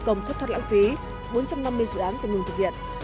công thất thoát lãng phí bốn trăm năm mươi dự án phải ngừng thực hiện